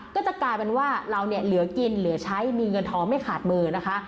ก็จะกลายเป็นว่าเราเนี่ยเหลือกินเหลือใช้มีเงินทองไม่ขาดมือนะคะ